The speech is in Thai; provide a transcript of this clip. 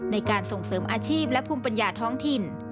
ในการส่งเสริมอาชีพและภูมิปัญญาท้องถิ่น